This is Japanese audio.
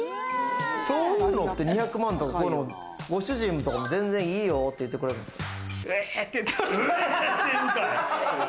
そういうのって２００万とか、ご主人とかは全然いいよって言ってくれるんですか？